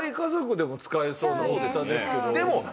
でも。